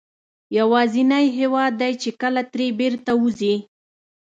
یوازینی هېواد دی چې کله ترې بېرته وځې.